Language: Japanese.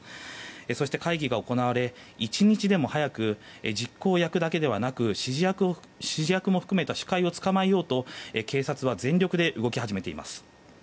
そして、会議が行われ１日でも早く実行役だけではなく指示役も含めた首魁を捕まえようと、警察は全力で動き始めています。